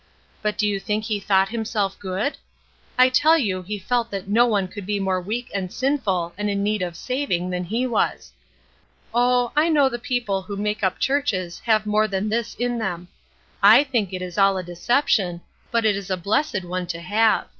But do you think he thought himself good? I tell you he felt that no one could be more weak and sinful and in need of saving than he was. Oh, I know the people who make up churches have more than this in them. I think it is all a deception, but it is a blessed one to have.